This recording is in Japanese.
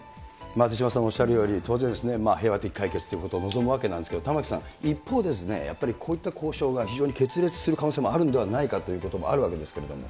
手嶋さんおっしゃるように、平和的解決ということを望むわけなんですけど、玉城さん、一方でやっぱりこういった交渉が非常に決裂する可能性もあるんではないかということもあるわけですけれども。